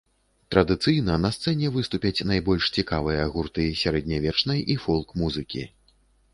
Традыцыйна на сцэне выступяць найбольш цікавыя гурты сярэднявечнай і фолк-музыкі.